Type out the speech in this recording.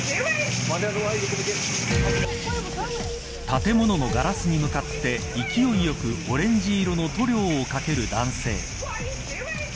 建物のガラスに向かって勢いよくオレンジ色の塗料をかける男性。